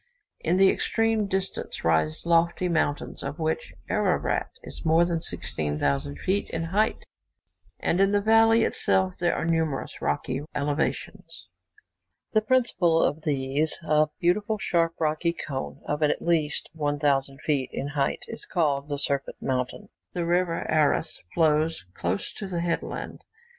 In the extreme distance rise lofty mountains, of which Ararat is more than 16,000 feet in height, and in the valley itself there are numerous rocky elevations. The principal of these, a beautiful sharp rocky cone, of at least 1,000 feet in height, is called the Serpent Mountain. The river Aras flows close to the headland.